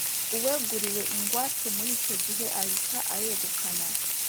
Uweguriwe ingwate muri icyo gihe ahita ayegukana.